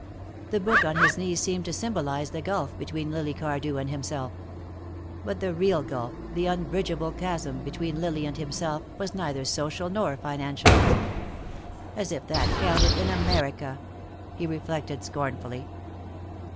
The book on his knee seemed to symbolize the gulf between Lily Cardew and himself. But the real gulf, the unbridgeable chasm, between Lily and himself, was neither social nor financial. "As if that counted, in America," he reflected scornfully.